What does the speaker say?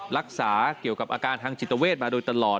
รักษาเกี่ยวกับอาการทางจิตเวทมาโดยตลอด